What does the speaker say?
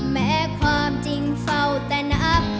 แม้ความจริงเฝ้าแต่นับ